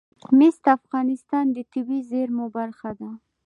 مس د افغانستان د طبیعي زیرمو برخه ده.